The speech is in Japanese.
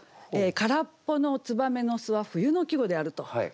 空っぽの「燕の巣」は冬の季語であると。